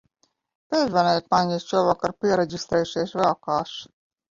Piezvaniet man, ja šovakar piereģistrēsies vēl kāds.